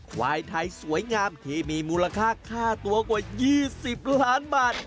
ควายไทยสวยงามที่มีมูลค่าค่าตัวกว่า๒๐ล้านบาท